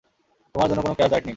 তোমার জন্য কোনও ক্র্যাশ ডায়েট নেই।